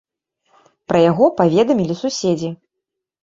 Пра яго паведамілі суседзі.